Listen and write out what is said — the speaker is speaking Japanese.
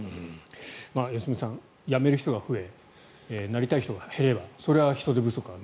良純さん、辞める人が増えなりたい人が減ればそれは人手不足は。